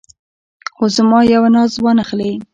خو زما یو ناز وانه خلې.